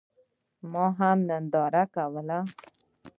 ما هم ننداره کوله.